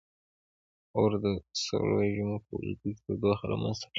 • اور د سړو ژمو په اوږدو کې تودوخه رامنځته کړه.